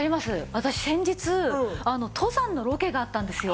私先日登山のロケがあったんですよ。